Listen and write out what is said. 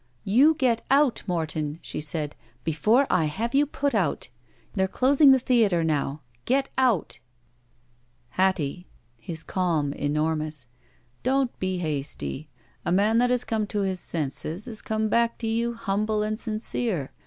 "You get out, Morton," she said, "before I have you put out. They're closing the theater now. Get out!" J63 THE SMUDGE "Hattie,*' his calm enormous, *' don't be hasty. A man that has come to his senses has come back to you humble and sincere.